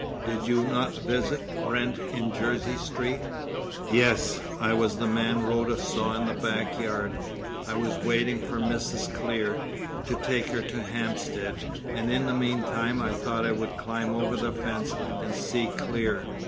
"Did you not visit Wrent in Jersey Street?" "Yes. I was the man Rhoda saw in the back yard. I was waiting for Mrs. Clear, to take her to Hampstead; and in the meantime I thought I would climb over the fence and see Clear.